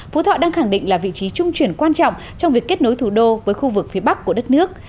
phú thọ đang khẳng định là vị trí trung chuyển quan trọng trong việc kết nối thủ đô với khu vực phía bắc của đất nước